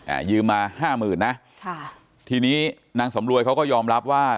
อ่ายืมมาห้าหมื่นนะค่ะทีนี้นางสำรวยเขาก็ยอมรับว่า